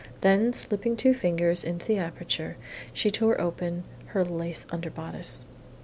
Then, slipping two fingers into the aperture, she tore open her lace underbodice.